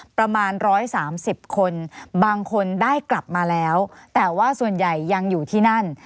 ประมาณ๑๓๐คนบางคนได้กลับมาแล้วแต่ว่าส่วนใหญ่ยังอยู่ที่นั่น